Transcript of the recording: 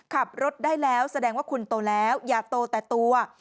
ขับรถได้แล้วแสดงว่าคุณโตแล้วอย่าโตแต่ตัว